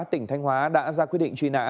tỉnh thanh hóa đã ra quyết định truy nã